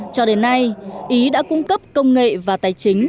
cho đến nay ý đã cung cấp công nghệ và tài chính